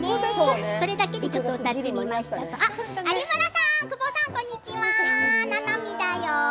有村さん、久保さんこんにちはななみだよ。